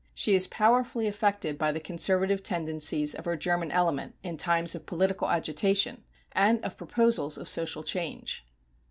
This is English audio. She is powerfully affected by the conservative tendencies of her German element in times of political agitation and of proposals of social change.